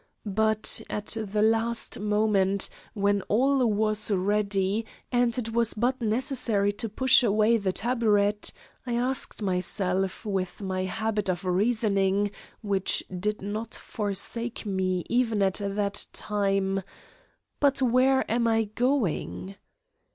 But at the last moment, when all was ready, and it was but necessary to push away the taburet, I asked myself, with my habit of reasoning which did not forsake me even at that time: But where am I going?